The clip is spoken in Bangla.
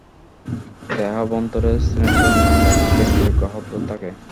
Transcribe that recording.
দেহাভ্যন্তরে সিলেন্টেরন নামের একটি কেন্দ্রীয় গহ্বর থাকে।